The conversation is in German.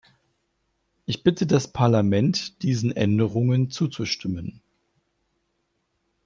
Ich bitte das Parlament, diesen Änderungen zuzustimmen.